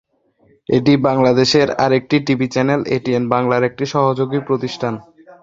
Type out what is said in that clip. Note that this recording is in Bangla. এটি বাংলাদেশের আরেকটি টিভি চ্যানেল এটিএন বাংলার একটি সহযোগী প্রতিষ্ঠান।